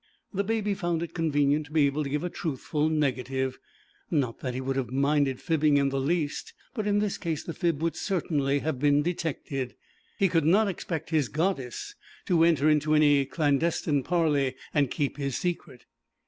The Baby found it convenient to be able to give a truthful negative, not that he would have minded fibbing in the least, but in this case the fib would certainly have been detected; he could not expect his goddess to enter into any clandestine parley and keep his secret.